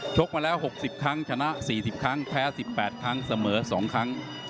ชกมาแล้วหกสิบครั้งชนะสี่สิบครั้งแพ้สิบแปดครั้งเสมอสองครั้ง